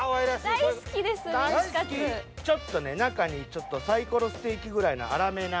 ちょっとね中にちょっとサイコロステーキぐらいな粗めな。